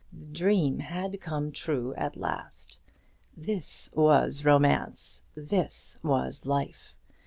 The dream had come true at last. This was romance this was life.